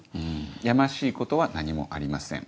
やましいことは何もありません。